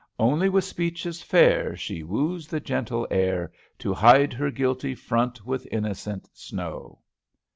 "Only with speeches fair She wooes the gentle air To hide her guilty front with innocent snow."